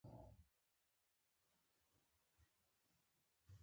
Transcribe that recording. شتمن خلک د زړه شتمني مهمه بولي.